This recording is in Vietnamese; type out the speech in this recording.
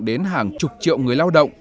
đến hàng chục triệu người lao động